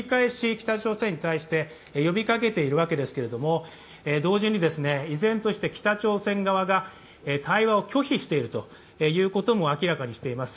北朝鮮に対して呼びかけているわけですけれども、同時に依然として北朝鮮側が対話を拒否しているということも明らかにしています。